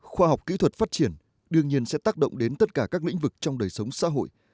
khoa học kỹ thuật phát triển đương nhiên sẽ tác động đến tất cả các lĩnh vực trong đời sống xã hội